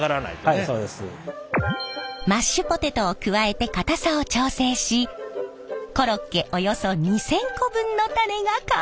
はいそうです。マッシュポテトを加えて硬さを調整しコロッケおよそ２，０００個分のタネが完成。